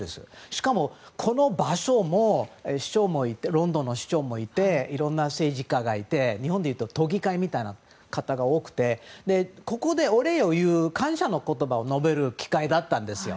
しかもこの場所もロンドンの市長もいていろんな政治家がいて日本でいうと都議会みたいな方が多くてここでは感謝の言葉を述べる機会だったんですよ。